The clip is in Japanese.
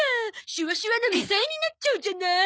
シワシワのみさえになっちゃうじゃない。